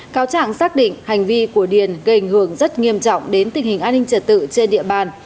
cáo trạng xác định hành vi của điền gây ảnh hưởng rất nghiêm trọng đến tình hình an ninh trật tự trên địa bàn